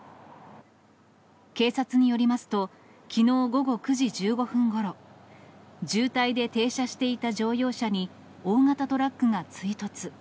警察によりますと、きのう午後９時１５分ごろ、渋滞で停車していた乗用車に大型トラックが追突。